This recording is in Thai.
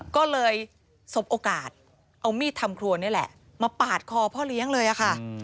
ก็เลยสบโอกาสเอามีดทำครัวนี่แหละมาปาดคอพ่อเลี้ยงเลยค่ะ